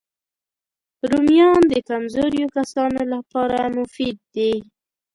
رومیان د کمزوریو کسانو لپاره مفید دي